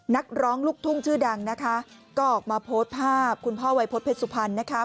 นักร้องลูกทุ่งชื่อดังนะคะก็ออกมาโพสต์ภาพคุณพ่อวัยพฤษเพชรสุพรรณนะคะ